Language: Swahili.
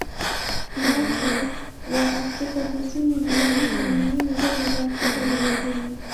Ni wa watu wa Afrika Kusini na wa nchi nyingine zote za Afrika vilevile.